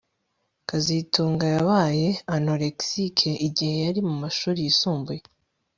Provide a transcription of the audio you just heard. kazitunga yabaye anorexic igihe yari mu mashuri yisumbuye